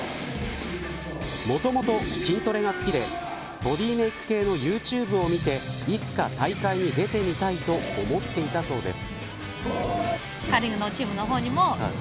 もともと筋トレが好きでボディメーク系のユーチューブを見ていつか大会に出てみたいと思っていたそうです。